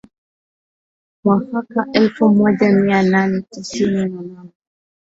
mwaka elfu moja mia nane tisini na nane